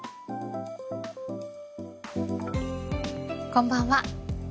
こんばんは。